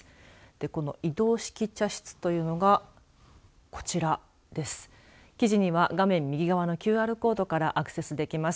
この移動式茶室というのがこちらです。